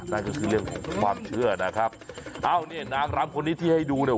นั่นก็คือเรื่องของความเชื่อนะครับเอ้าเนี่ยนางรำคนนี้ที่ให้ดูเนี่ย